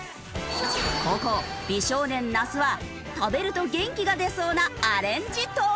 後攻美少年那須は食べると元気が出そうなアレンジトースト。